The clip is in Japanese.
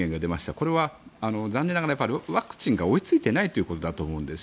これは残念ながらワクチンが追い付いていないということだと思います。